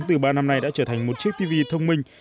từ ba năm nay đã trở thành một chiếc tv thông minh